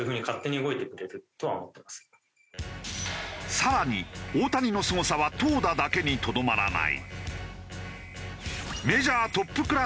更に大谷のすごさは投打だけにとどまらない。